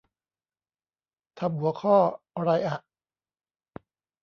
ทำหัวข้อไรอ่ะ